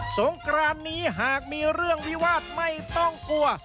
งกรานนี้หากมีเรื่องวิวาสไม่ต้องกลัว